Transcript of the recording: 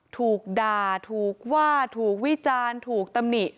ถูกด่าถูกว่าถูกวิจารณ์ถูกตำหนิ